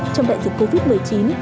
trong đại dịch covid một mươi chín